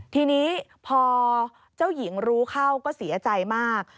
ทีนี้พอเจ้าหญิงรู้เข้าก็เสียใจมาก